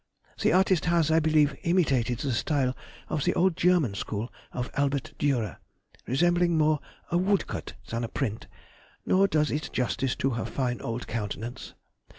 The artist has, I believe, imitated the style of the old German school of Albert Dürer, resembling more a 'woodcut' than a print, nor does it justice to her fine old countenance.